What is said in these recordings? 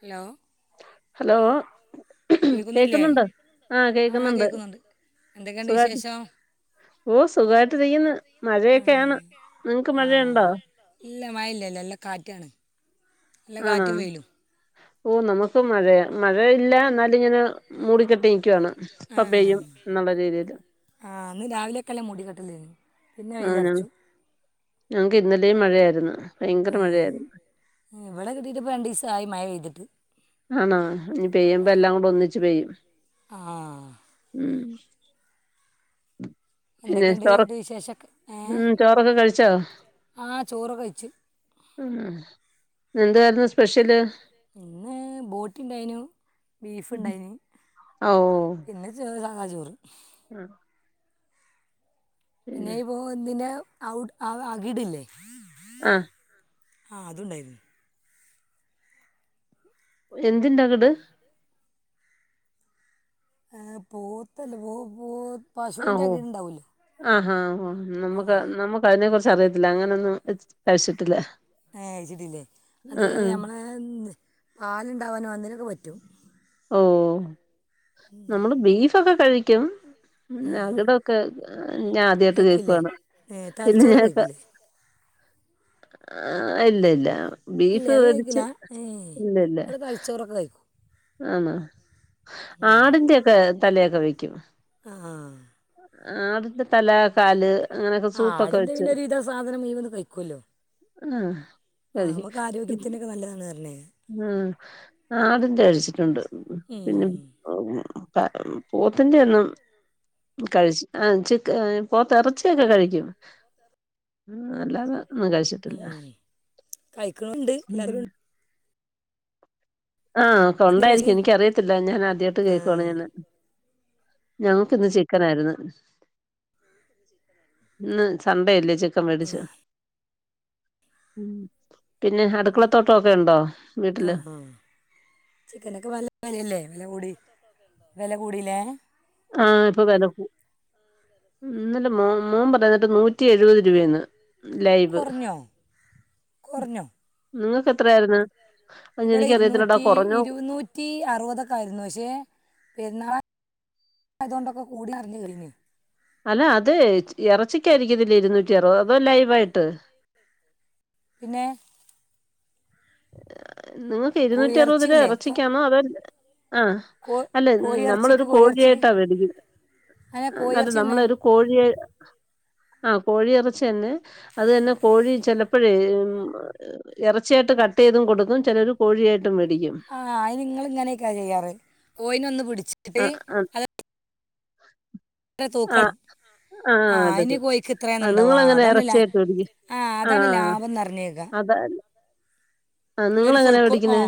Hello hello കേൾക്കുന്നില്ലേ കേക്കുന്നുണ്ടോ ആഹ് കേൾക്കുന്നുണ്ട് എന്തൊക്കെയുണ്ട് സുഖായി വിശേഷം ഓ സുഖായിട്ട് ഇരിക്ക്ന്നു മഴയൊക്കെയാണ് ഉം നിങ്ങക്ക് ആഹ് മഴയുണ്ടോ ഇല്ല മഴല്ലല്ല നല്ല കാറ്റാണ് നല്ല ആണോ കാറ്റും വെയിലും ഓ നമുക്കും മഴയാ മഴ ഇല്ല ന്നാലിങ്ങനെ മൂടിക്കെട്ട് നിക്കുവാണ് ഇപ്പോ പെയും ആഹ് എന്നുള്ള രീതിയിൽ ആഹ് ഇന്ന് രാവിലെ ഒക്കെനല്ല മൂടികെട്ടലാരുന്നു ആണോ ഞങ്ങക്ക് ഇന്നലേം മഴയായിരുന്നു ഭയങ്കര ഏഹ് മഴയായിരുന്നു ഇവടെ കിട്ടിട്ട്പ്പ രണ്ടീസായി മഴ പെയ്തിട്ട് ആണാ ഇനി പെയ്യ്മ്പ എല്ലാം കൂടെ ഒന്നിച്ച് പെയ്യും ആഹ് ഉം പിന്നെ എന്തൊക്കെയുണ്ട് ചോറ എന്നിട്ട് വിശേഷമൊക്കെ ഏഹ് ഉം ചോറൊക്കെ കഴിച്ചോ ആഹ് ചോറൊക്കെ കഴിച്ചു ഉം എന്തായിരുന്നു സ് ഇന്ന് ബോട്ടി ഉണ്ടായിനു ബീഫ് ഇണ്ടായിന് ഓ പിന്നെ ചോറ് സാധചോറ് ആഹ് പിന്നെ ഈ പോത്തിന്റെ ഔ അകിടില്ലേ ആഹ് ആഹ് അതുംണ്ടായിർന്നു എന്തിന്റെ അകിട് പോത്തല്ലേ പൂ പൂ ആഹ് പശുവിന്റെ ഓ അകിട്ണ്ടാവല്ലോ ആഹാ ആ നമ്മുക്ക് നമ്മുക്ക് അതിനെ കുറിച്ച് അറിയത്തില്ല അങ്ങനൊന്നും കഴിച്ചിട്ടില്ല ഏഹ് കയിച്ചിട്ടില്ലേ അത് ആഹ് ആഹ് നമ്മളെ പാലുണ്ടാവാനും അതിനൊക്കെ പറ്റും ഓഹ് നമ്മള് ബീഫൊക്കെ കഴിക്കും ഉം ആ, അകിടൊക്കെ ഞാൻ ആദ്യായിട്ട് കഴിക്കില്ലേ കേൾക്കുവാണ് ഏ പിന്നെ തലച്ചോറ് ഞാൻ ഇപ്പ കഴിക്കില്ലേ ആഹ് ഇല്ല ഇല്ല ഇല്ല ബീഫ് അത് മേടിച്ച് കഴിക്കില്ല ഏ ഇല്ല ഇല്ല [unintelligible] ആന്നോ ആടിന്റെ ഒക്കെ തലയൊക്കെ വെക്കും ആഹ് ആടിന്റെ തല കാല് അങ്ങനെയൊക്കെ ആ, സൂപ്പൊക്കെ ആടിൻ്റെ വെച്ച് പിന്നെ ഒരുവിധ സാധനം മുഴുവൻ ആഹ് ആഹ് നമുക്ക് ആരോഗ്യത്തിനൊക്കെ നല്ലതാണ് അല്ലെ ഉം ആടിന്റെ കഴിച്ചിട്ടുണ്ട് പിന്നെ [unintelligible] പോത്തിന്റെ ഒന്നും കഴിച്ചു ആ ചിക്ക പോത്തെറച്ചിയൊക്കെ കഴിക്കും അല്ലാതെ ഒന്നും കഴിച്ചിട്ടില്ല കഴിക്കണമുണ്ട് എല്ലാവരും ആഹ് പശി കൊണ്ടായിരിക്കും എനിക്കറിയത്തില്ല ഞാൻ ആദ്യായിട്ട് ആ കേൾക്കുവാണ് ഇന്ന് ഞങ്ങക്ക് ഇന്ന് ചിക്കൻ ആയിരുന്നു ഇന്ന് സൺ‌ഡെ അല്ലേ ച് ക്കൻ മേടിച്ചു പിന്നെ അടുക്കളത്തോട്ടമൊക്കെ ഉണ്ടോ വീട്ടില് ആഹ് ആഹ് ചിക്കനൊക്കെ ഇപ്പൊ നല്ല വെലല്ലേ വില കൂടി വില കൂടില്ലേ ആഹ് ഇപ്പൊ വെല കൂ ഇന്നലെ മോൻ പറയുന്നേട്ട് നൂറ്റി എഴുപത് രൂപയെന്ന് ലൈവ് കുറഞ്ഞോ കുറഞ്ഞോ നിങ്ങക്ക് എത്രായിരുന്നു ഇവിടെ ഇരുന്നൂറ്റി ഇരു നൂറ്റി അറുപതൊക്കെ ആയിരുന്നു പക്ഷേ പെരുന്നാളാ ആയതൊണ്ടൊക്കെ കൂടി അറിഞ്ഞ് കേട്ടീർന്നു അല്ല അത് ഇറച്ചിക്കായിയിരിക്കത്തില്ല ഇരുന്നൂറ്റി അറുപത് അതും ലൈവായിട്ട് പിന്നെ നിങ്ങക്ക് ഇരുന്നൂറ്റി അറുപത് രൂവ കോഴിയിറച്ചിയല്ലേ ഇറച്ചിക്കാണോ അതോ ആഹ് കോ അല്ല കോഴിയിറച്ചിക്ക് നമ്മളൊരു കോഴിയായിട്ടാ വേടിക്കണത് അ കോയി ഇറച്ചിന്നെ കോഴി ആ കോഴിയിറച്ച തന്നെ അ തന്നെ കോഴി ചെല പ്പഴേ ഇറച്ചിയായിട്ട് കട്ട് ചെയ്തും കൊടുക്കും ചിലര് കോഴിയായിട്ടും മേടിക്കും ആ അയിനനിങ്ങ ഇങ്ങനെയൊക്കാ ചെയ്യാറ് കോയിന ഒന്ന് പിടിച്ച് ആ ആം ഇ തൂക്കം ആഹ് ഇനി കോയിക്ക് ആ ഇത്രയാന്നണ്ടാവോ നിങ്ങളെങ്ങനെ അതന്നല്ല ഇറച്ചിയായിട്ട് മേടിക്കും? ആഹ് ആ അതാണ് ലാഭംന്നർഞ്ഞേക്ക അതാ ഇന്നൊരു നിങ്ങളെങ്ങനെയാ ഫുൾക്ക് ആ മേടിക്കുന്നെ?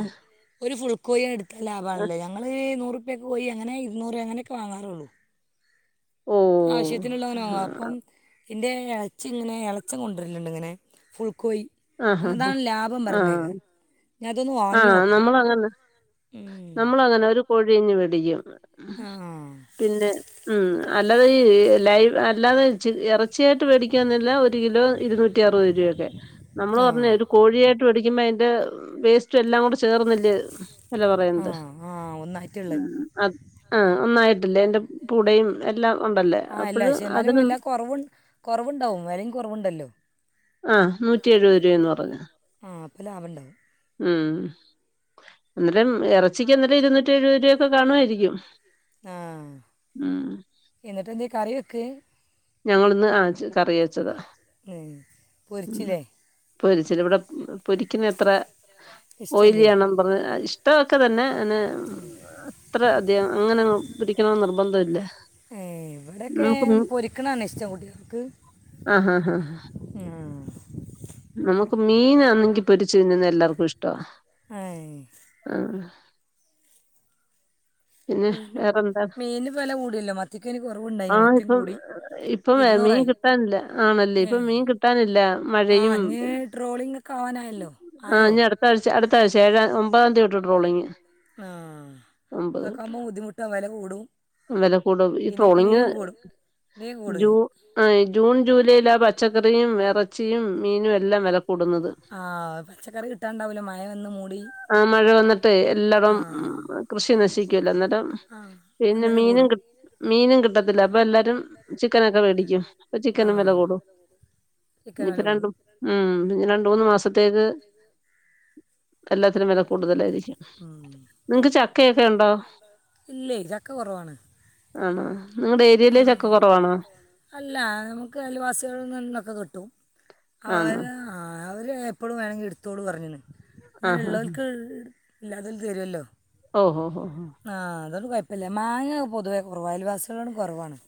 ഒരു ഫുൾ കോയ എടുത്ത ലാഭ ആണല്ല ഞങ്ങൾ നൂറുപ്പൊക്ക കോയി അങ്ങനെ ഇുന്നൂറ് രൂപ അങ്ങനെയൊക്കെ വാങ്ങാറുള്ളൂ ഓ ആവശ്യത്തിനുള്ളവനാ ആഹാ അപ്പം ഇൻ്റെ ഇളച്ച ഇങ്ങനെ ഇളച്ചം കൊണ്ടർൽണ്ട് ഇങ്ങനെ ഫുൾക്കോയി ആഹാ അങ്ങതാണ് ലാഭം ആ പറഞ്ഞ കേക്ക ഞാൻ അതൊന്ന് ആ വാങ്ങി നോക്കണം നമ്മളങ്ങനെ ഉം പൊഴിഞ്ഞു പിടിക്കും പിന്നെ ഉം അല്ലാതെ ഈ ലൈവ് അല്ലാതെ ഇറ ച്ചയായിട്ട് മേടിക്കാന്നല്ല ഒരു കിലോ ഇരുന്നൂറ്റി അറുപത് രൂപയക്കെ നമ്മള് ആ ആ പറഞ്ഞ കോഴിയായിട്ട് മേടിക്കുമ്പോ അതിന്റെ വേസ്റ്റ് സ്റ്റ്എല്ലാം കൂടെ ചേർന്നില്ലേ വല ആ പറയ്ന്നെ ആ ഒന്നായിട്ടുള്ളത് ആഹ് ഒന്നായിട്ടില്ലേ അയ്ന്റെ പുടയും എല്ലാം ഉണ്ടല്ലേ ആ അല്ല അപ്പഴ പക്ഷെ എന്നാലും അതിന് എല്ലാ കുറവ് കുറവുണ്ടാവും വിലയും കുറവുണ്ടല്ലോ ആ നൂറ്റി എഴുപത് രൂപന്ന് പറഞ്ഞു ആ അപ്പം ലാഭം ഉണ്ടാവും ഉം എന്നേരം ഇറച്ചിക്ക്ന്നേരം ഇരുന്നൂറ്റി എഴുപത് രൂപൊക്കെ കാണുമായിരിക്കും ആ ഉ എന്നിട്ട് എന്ത കറി വെക്കെ ഞങ്ങളൊന്ന് ആ കറി വെച്ചതാ ഉം. പൊരിച്ചില്ലേ പൊരിച്ചിരി ഇവിടെ പൊരിക്കുന്ന അത്ര ഇഷ്ടമല്ലേ ഓയിലിയാണ് പറഞ്ഞ ഇഷ്ടമൊക്കെ തന്നെ അ അത്ര അധികം അങ്ങനെ പിരിക്കണ നിർബന്ധ ഇല്ല ഏ ഇവിടെയൊക്കെ പൊരിക്കണാണ് ഇഷ്ടം ക്ക് ആഹ് ആഹ് ആഹ് ആഹ് നമുക്ക് മീനാണെങ്കി പൊരിച്ച് തിന്ന്ന്നെ എല്ലാർക്കും ഇഷ്ട ആ ആഹ് പിന്നെ മീൻ വേറെന്താ മീനിന് വില കൂടിയല്ലോ മത്തിക്കതിന് കുറവുണ്ടായിന് ആഹ് മത്തിയും ഇപ്പ കൂടി ഇപ്പം മീൻ ഇരുന്നൂറായി കിട്ടാനില്ല ആണല്ലേ ഇപ്പ മീൻ കി കിട്ടാനില്ല മഴയും ആഹ് ഞ്ഞ് ട്രോളിംഗ ഒക്കെ ആവാനായല്ലോ ആഹ് ആയോ ഇനി അടുത്തഴ്ച അടുത്തഴ്ച ഏഴ ഒമ്പത തീയതിട്ട ടോളിങ് ആഹ് കക്കാമ്പം ബുദ്ധിമുട്ടും വില കൂട വില കൂടും ഈ ട്രോളിങ് ഇനിയും കൂട ഇനി കൂടും ജൂ ആ ജൂൺ ജൂലൈയില ആ പച്ചക്കറിയും ഇറച്ചിയും മീനും എല്ലാം വിലക്കും ആഹ് പച്ചക്കറി കിട്ടാണ്ടാവലോ മഴ വന്ന് മൂടി ആഹ് മഴ വന്നിട്ട് എല്ലാരടും ആഹ് കൃഷി നശി ക്കലഎന്നരം ആഹ് പിന്നെ അന്നേരം മീനും കൂടും കി മീനും കിട്ടത്തില്ല അപ്പൊ എല്ലാരും ചിക്കനൊക്കെ മേടിക്കും അപ്പൊ ചിക്കനും വില കൂടൂ ചിക്കൻവല കൂടും ഉം പിന്ന രണ്ട മൂന്ന് മാസത്തേക്ക് എല്ലാത്തിനും വില കൂടുതലായിരിക്കും ഉം നിങ്ങക്ക് ചക്കയൊക്കെ ഉണ്ടോ ഇല്ലേ ചക്ക കുറവാണ് ആണോ നിങ്ങടെ ഏരിയയിലെ ചക്ക കുറവാണോ അല്ല നമക്ക് അയലവാസികളന്നൊക്കെ കിട്ടും അവർ ആണോ ആഹ് അവര് എപ്പോളും വേണങ്കിൽ എടുത്തോട് പറഞ്ഞു അങ്ങനെയ ആഹാ ഉള്ളോൽ ഇല്ലാതോൽ തരുല്ലോ. ഓഹോ ഓഹോ. ആഹ് അതോണ്ട് കൊഴപ്പല്ല. മാങ്ങ പൊതുവെ കൊറവാ. അയൽവാസികളും കുറവാണ്.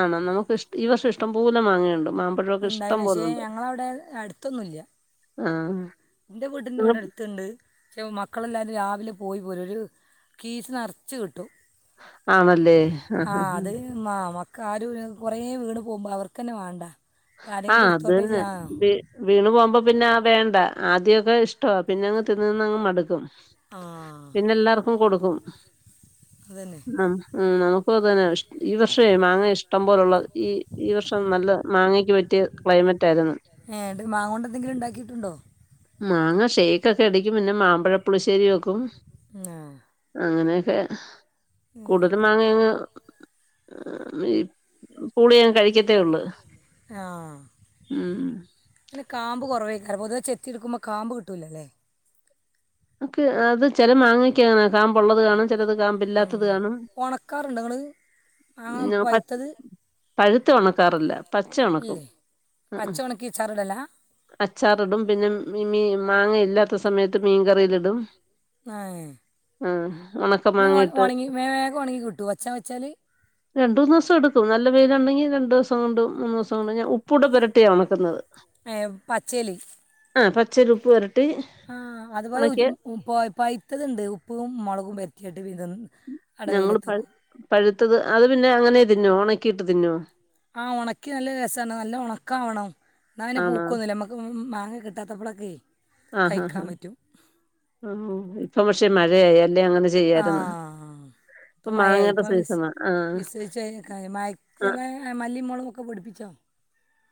ആണോ നമുക്ക് ഇഷ് ഈ വർഷം ഇഷ്ടം പോലെ മാങ്ങേണ്ട് മാ ഉണ്ടായിന് പക്ഷേ ഞങ്ങളവിടെ അടുത്തൊന്നുല്ല്യാ. ആഹ്. എന്റെ വീടിന്റെ ഇവിടെടുത്തുണ്ട്. ചെ മക്കളെല്ലാവരും രാവിലെ പോയി പോലും ഒരു കീസ് നെറ്ച്ച് കിട്ടും. ആണല്ലേ ആഹ് ആഹ്. മ്മാ മക്ക ആരും ഇ [unintelligible] കുറേ വീണ് പോകുമ്പോൾ അവർക്കന്നെ വേണ്ട. അപ്പം ആരെങ്കിലും ആഹ് എടുത്തോട്ടെ അതന്നെ ചെ- ആ വീ വീണ് പോവുമ്പോ പിന്നെ വേണ്ട ആദ്യക്കെ ഇഷ്ട പിന്നെ അങ് തിന്ന് തിന്നങ്ങ് മടുക്കും. ആ പിന്നെ എല്ലാർക്കും കൊടുക്കും. അത് ന്നെ. ആഹ് ഉം നമുക്കും അതന്നെ ഇഷ്. ഈ വർഷേ മാങ്ങ ഇഷ്ടം പോലുള്ള ഈ ഈ വർഷം നല്ല മാങ്ങേ ക്ക് പറ്റിയ ക്ലൈമറ്റ് ആരുന്നു. ഏ ഇത് മാങ്ങ കൊണ്ട് എന്തെങ്കിലും ഉണ്ടാക്കിയിട്ടുണ്ടോ മാങ്ങ ഷേക്കൊക്കെ അടിക്കും പിന്നെ മാമ്പഴപ്പുളിശ്ശേരി വെക്കും. ആ അങ്ങനെയൊക്കെ ഉം. കൂടുതലും മാങ്ങങ്ങ് വീ. പൂളീങ്ങ് കഴിക്കത്തേ ഒള്ള്. ആഹ്. ഉം. പിന്നെ കാമ്പ് കൊറവേക്കാരം പൊതുവെ ചെത്തി ടുക്കുമ്പോ കാമ്പ് കിട്ടൂല്ലല്ലേ? ഒക്കെ അത് ചെല മാങ്ങിക്കങ്ങന്നെ കാമ്പ് ഒള്ളത് കാണും ചിലത് ഉം കാമ്പില്ലാത്തത് കാണും ഓണക്കാറ്ണ്ടാേ ങ്ങള് മാങ്ങ ഞാൻ പ- പഴുത്തത്. പഴുത്ത ഒണക്കാറില്ല പച്ച ഒണക്കും ഇല്ലേ ആഹ്. പച്ച ഉണക്കി ചാറിടല അച്ചാറിടും പിന്നെ മീ മാങ്ങയില്ലാത്ത സമയത്ത് മീൻകറിയിലിടും. ഏഹ് ആഹ് ഉണക്ക മേ ഒണ മാങ്ങയിട്ട് ഒണ്ങ്ങി വേഗം ഒണങ്ങി കിട്ടോ അച്ചാ വെച്ചാല് രണ്ടൂന്ന് ദിവസം എടുക്കും. നല്ല വെയിലുണ്ടെങ്കിൽ രണ്ടൂസം കൊണ്ടും മൂന്നുസം കൊണ്ട് ഞാൻ ഉപ്പൂടെ പെരട്ടിയാ ഒണക്കുന്നത്. ഏഹ് പച്ചേല് ആഹ് പച്ചേല് ഉപ്പ്‌ പെരട്ടി. ആഹ് അതുപോലെ ഉണക്കിയ ഉ പൈത്തതുണ്ട് ഉപ്പും മൊളകും പരു റ്റിയിട്ട് വിത. അട ഞങ്ങള് വെയിലത്ത് പ വെക്കും പഴുത്തത് അത് പിന്നെ അങ്ങനെ തിന്നോ ഉണക്കിയിട്ട് തിന്നോ? ആഹ് ഉണക്കി നല്ല രസാണ് നല്ല ഉണക്കാവണം എന്ന അങ്ങനെ ആണോ പൂക്കൊന്നുല്ല മ്മ. ക്ക് മാങ്ങ കിട്ടാത്തപ്പളൊക്കെ. ആഹ് ആഹ് ആഹ് ആ. [unintelligible] ആഹ്. ഇപ്പൊ ഇപ്പം മയായ് മാങ്ങയുടെ ഇപ്പം വിസ് സീസണാ ആഹ് വിസൊയ്ച്ചമാരി. [unintelligible] ആഹ് ഏഹ് മല്ലിമൊളകുമൊക്കെ പൊടിപ്പിച്ചോ?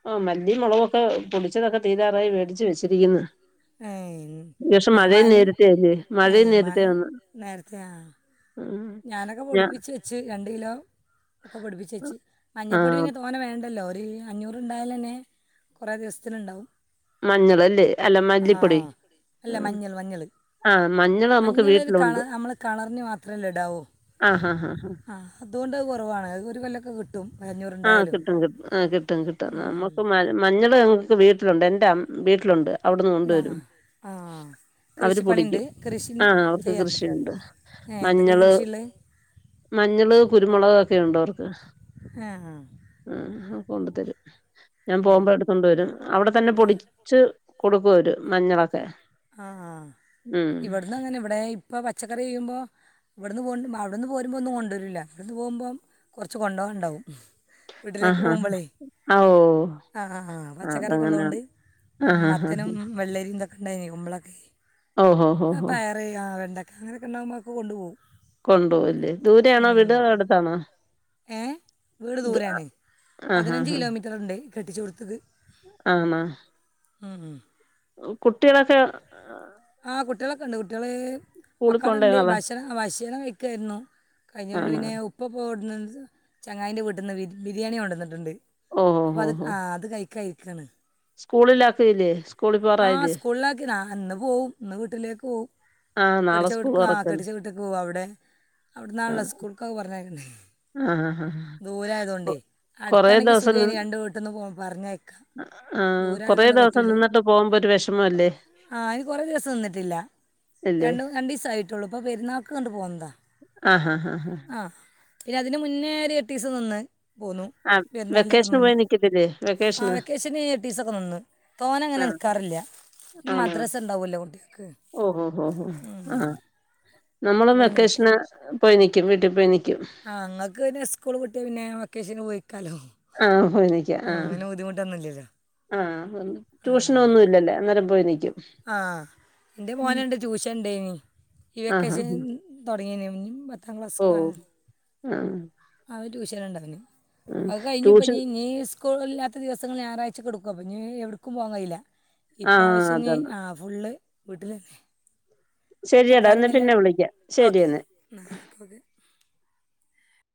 ആഹ് മല്ലി മൊളകൊക്കെ പൊടിച്ചതൊക്കെ തീരാറായി വേടിച്ച് വെച്ചിരിക്കുന്ന്. ഏ ഈ വർഷം ഞാൻ മഴേ മഴ നേരത്തെ അല്ല്യൊ ഏ മഴേ മഴ നേരത്തെ വന്ന്. നേരത്തെ ആ ഉം ഞാനൊക്കെ ഞാ പൊടിപ്പിച്ച് വെച്ച്. രണ്ട് കിലോ ഒക്കെ പൊടിപ്പിച്ച് വെച്ച്. മഞ്ഞൾപ്പൊടി ആഹ് പിന്നെ തോ. ന്ന വേണ്ടല്ലോ ഒരു അഞ്ഞൂറ് ഉണ്ടായാലന്നെ കൊറേ ദിവസത്തിനുണ്ടാവും. മഞ്ഞളല്ലേ അല്ലേ ആ മല്ലിപ്പൊടി. അല്ല മഞ്ഞൾ മഞ്ഞള് ആഹ് മഞ്ഞള് നമുക്ക് മഞ്ഞൾരു കള വീട്ടിലുണ്ട് നമ്മള് കളറിന്ന് മാത്രല്ലേ ഇടാവൂ ഓഹ്. ആഹ് ആഹ് ആഹ് അതോണ്ട് അത് കൊറവാണ് അത് ഒരു കൊല്ലൊക്കെ കിട്ടും. ഒരഞ്ഞൂറ് ആഹ് കിട്ടും കിട്ടും ആ കിട്ടും കിട്ടും നമ്മുക്ക് മ. മഞ്ഞള് ഞങ്ങൾക്ക് വീട്ടിലുണ്ട് എൻ്റെ അ വീട്ടിലുണ്ട്. അവിടുന്ന് ന്നോ കൊണ്ടുവരും ആഹ്. അവര് പൊടിക്കും ആഹ് അവർക്ക് ചെയ്യാറുണ്ട് കൃഷിയുണ്ട് ഏ എന്തൊക്കെ മഞ്ഞള് കൃഷിയുള്ളത് മഞ്ഞള് കുരുമുളക് ഒക്കെ ഉണ്ട് അവർക്ക് ആഹ്‌ ആഹ്‌ കൊണ്ട് തരും ഞാൻ ഉം. പോകുമ്പോ എടുത്ത് കൊണ്ടുവരും അവിടെ തന്നെ പൊടി ആ പൊടിച്ച് കൊടുക്കും അവര് മഞ്ഞളൊക്കെ ആഹ് ആഹ് ഉം ഇവിടുന്ന് അങ്ങനെ ഇവിടെ ഇപ്പൊ പച്ചക്കറി ചെയ്യുമ്പോ ഇവിടുന്ന് പോ അവിടുന്ന് പോരുമ്പോ ഒന്നും കൊണ്ടൊരൂല്ല. ഇവിടുന്ന് പോവുമ്പോ കൊറച്ച് കൊണ്ടാവാൻ ഉണ്ടാവും. വീട്ടിലേക്ക് ആഹാ പോകുമ്പളേ ആഹ് ഓഹ് ആഹ്‌ ആഹ് പച്ചക്കറിയൊക്കെ അതങ്ങനെ ഉള്ളകൊണ്ട് ഉം ആഹ് ആഹ് ആഹ് മത്തനും വെള്ളരി ഇന്തൊക്കെ ഉണ്ടായിനീ കുമ്പളൊക്കെ ഓഹോ ഹോ ഹോ ല്ലാ വെണ്ടക്ക അങ്ങനൊക്കെ ഉണ്ടാവുമ്പോൾ ഒക്കെ കൊണ്ടുപോകും കൊണ്ടുപോകും ഇല്ലേ ദൂരെ ആണോ വീട് അതോ അടുത്താണോ ഏഹ് വീട് ദൂരയാണ് ആഹ് പതിനഞ്ച് ആഹ് കിലോമീറ്റർ ഉണ്ട് കെട്ടിച്ചു കൊടുത്തത് ആമാ ഉം ഉം കുട്ടികളൊക്കെ ആഹ് കുട്ടികളൊക്കെ ഉണ്ട് കുട്ടികള് സ്കൂളിൽ അക്കാടെ പോണ്ടേ ഉണ്ട് നാളെ ഭക്ഷണ ഭശണം കഴിക്കായിരുന്നു കഴിഞ്ഞകൊണ്ട് ആണോ പിന്നെ ഉപ്പ പോവവിടുന്ന് ചങ്ങായിൻ്റെ വീട്ടിന്ന് ബിരിയാണി കൊണ്ടന്നിട്ടുണ്ട് ഓഹ് അപ്പൊ ഓഹ് അത് ഓഹ് ഓഹ് ആഹ് അത് കഴിക്കായിരിക്കണ് സ്കൂളിലാക്കിയില്ലേ സ്കൂളിൽ പോകാറായില്ലേ [unintelligible] ഇന്ന് പോവും ഇന്ന് വീട്ടിലേക്ക് പോകും ആഹ് നാളെ സ്കൂൾ കെട്ടിച്ചവീടക്ക ആഹ് തുറക്കല്ലേ കെട്ടിച്ച വീട്ട്ക്ക് പോകുവ അവിടെ അവിടുന്നാണല്ലോ ആഹ് സ്കൂൾക്കൊക്കെ പറഞ്ഞയക്കണ്ടെ ആഹ് ആഹ്‌ ആഹ്‌ ദൂരം ആയതുകൊണ്ടേ അടുത്താണെങ്കി നി സുഖേനി രണ്ടു വീട്ടിന്ന് പോ പറഞ്ഞയക്കാം ആഹ് കൊറേ ദിവസം നിന്നിട്ട് പോകുമ്പോ ഒരു വിഷമല്ലേ ആഹ്‌ അതിന് കുറെ ദിവസം നിന്നിട്ടില്ല അല്ലേ രണ്ട് രണ്ടീസായിട്ടുള്ളൂ അപ്പം പെരുന്നാൾക്ക് കൊണ്ട് പോന്നതാ ആഹ് ഇന് മുന്നേ ഒരു എട്ടീസം നിന്ന് പോന്നു ആഹ് പെരുന്നാളിന്റെക്കെ വെക്കേഷന് മുന്നേ പോയി നിക്കത്തില്ലേ ആ വെക്കേഷന് എട്ടീസൊക്കെ നിന്ന് തോനെ അങ്ങനെ ആഹ് നിക്കാറില്ല പിന്നെ ആണോ മദ്രസ ഉണ്ടാവല്ലോ കുട്ടികൾക്ക് ഓഹ് ഓഹ് ഓഹ് ഓഹ് ഉം ആഹ് നമ്മളും വെക്കേഷന് പോയി നിക്കും വീട്ടിൽ പോയി നിക്കും ആഹ് ഇങ്ങക്ക് പിന്നെ സ്കൂള് വിട്ട് പിന്നെ വെക്കേഷന് പോയിനിക്കാലോ ആഹ് പോയി നിക്കാം ആഹ് ആഹ് ട്യൂഷൻ ഒന്നും ഇല്ലല്ലൊ അന്നേരം പോയി നിയ്ക്കും ആഹ് എൻ്റെ മോനുണ്ട് ട്യൂഷൻ ഉണ്ടേനി ഈ ആഹ് വെക്കേഷൻ ആഹ് തുടങ്ങിയന് മുൻപ ഓ ആഹ് [unintelligible] അവന് ട്യൂഷൻ ഉണ്ടാവന് ആഹ് അത് കഴിഞ്ഞ് ട്യൂഷൻ [unintelligible] നിസ് സ്കൂൾ ഇല്ലാത്ത ദിവസങ്ങൾ ഞായറാഴ്ച കൊടുക്കും അപ്പം ഇനി എവിടക്കും പോവാൻ കഴിയില്ല ആഹ് ഇപ്രാവശ്യം ഇനി അതാണ് ആഹ് ഫുള്ള് വീട്ടിലല്ലേ ശരിയടാ എന്നാ പിന്നെ വിളിക്കാം ശരിയെന്നെ നാപ്പത്